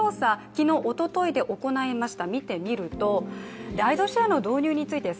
昨日、おとといで行いました。